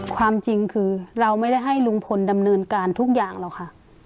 ความจริงคือเราไม่ได้ให้ลุงพลดำเนินการทุกอย่างหรอกค่ะ